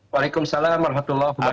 wa'alaikumussalam warahmatullahi wabarakatuh